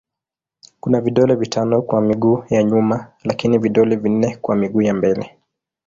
Kuna vidole vitano kwa miguu ya nyuma lakini vidole vinne kwa miguu ya mbele.